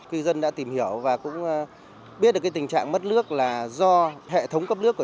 cư dân đã tìm hiểu và cũng biết được tình trạng mất nước là do hệ thống cấp nước